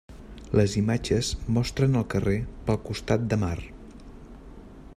Les imatges mostren el carrer pel costat de mar.